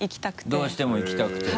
どうしても行きたくて。